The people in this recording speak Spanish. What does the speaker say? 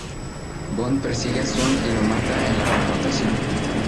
Bond persigue a Sun y lo mata en la confrontación.